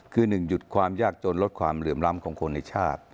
คือหนึ่งหยุดความยากจนลดความเหลื่อมล้ำของคนในชาติ